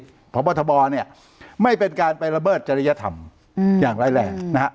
อดีตพระมวลธบอลไม่เป็นการไประเบิดจริยธรรมอย่างแรก